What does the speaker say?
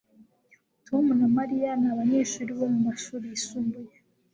Tom na Mariya ni abanyeshuri bo mu mashuri yisumbuye